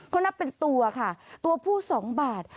เขานับเป็นตัวค่ะตัวผู้๒บาท